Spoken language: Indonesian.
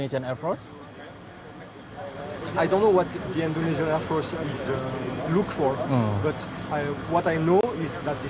saya tidak tahu apa yang pesawat tni au mencari tapi saya tahu bahwa pesawat ini sangat bagus